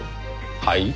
はい？